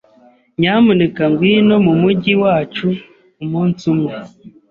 Nyamuneka ngwino mu mujyi wacu umunsi umwe.